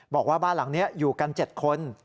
บอกว่าบ้านหลังนี้อยู่กัน๗คน